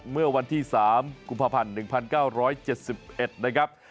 เมื่อวันที่๓กุมภาพันธ์๑๙๗๑นะครับ